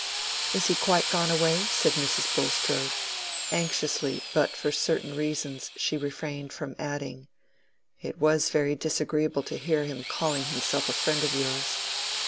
"Is he quite gone away?" said Mrs. Bulstrode, anxiously; but for certain reasons she refrained from adding, "It was very disagreeable to hear him calling himself a friend of yours."